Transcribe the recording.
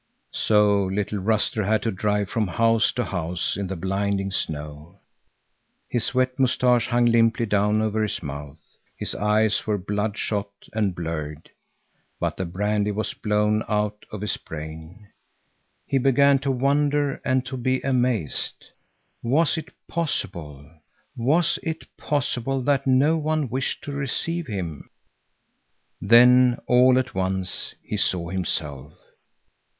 So little Ruster had to drive from house to house in the blinding snow. His wet moustache hung limply down over his mouth; his eyes were bloodshot and blurred, but the brandy was blown out of his brain. He began to wonder and to be amazed. Was it possible, was it possible that no one wished to receive him? Then all at once he saw himself.